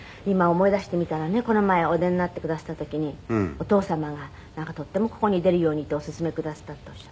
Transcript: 今思い出してみたらねこの前お出になってくだすった時にお父様がなんかとってもここに出るようにとオススメくだすったと。